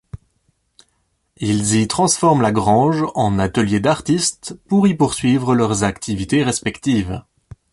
Ils y transforment la grange en atelier d'artiste pour y poursuivre leurs activités respectives.